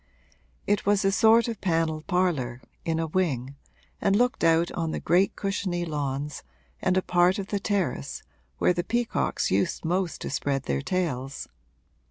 It was a sort of panelled parlour, in a wing, and looked out on the great cushiony lawns and a part of the terrace where the peacocks used most to spread their tails.